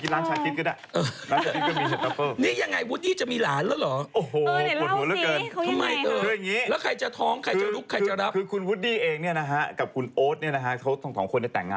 แล้วใครจะท้อง